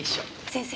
先生